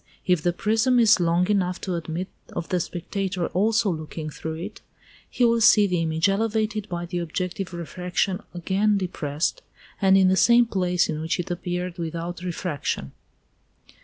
If the prism is long enough to admit of the spectator also looking through it, he will see the image elevated by the objective refraction again depressed, and in the same place in which it appeared without refraction.